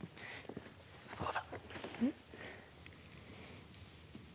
そうだ。